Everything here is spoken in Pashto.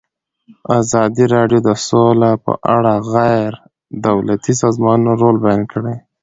ازادي راډیو د سوله په اړه د غیر دولتي سازمانونو رول بیان کړی.